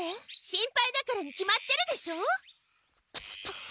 心配だからに決まってるでしょ！